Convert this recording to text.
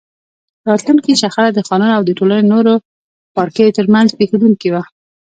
راتلونکې شخړه د خانانو او د ټولنې نورو پاړکیو ترمنځ پېښېدونکې وه.